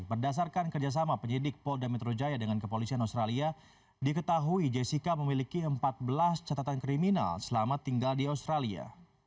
berdasarkan kerjasama penyidik polda metro jaya dengan kepolisian australia diketahui jessica memiliki empat belas catatan kriminal selama tinggal di australia